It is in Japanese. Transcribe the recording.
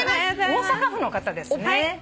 大阪府の方ですね。